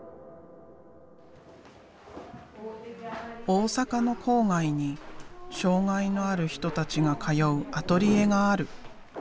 大阪の郊外に障害のある人たちが通うアトリエがある。